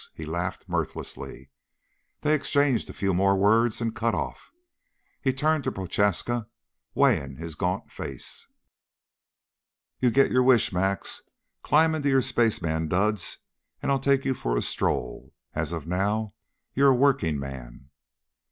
He laughed mirthlessly. They exchanged a few more words and cut off. He turned to Prochaska, weighing his gaunt face. "You get your wish, Max. Climb into your spaceman duds and I'll take you for a stroll. As of now you're a working man."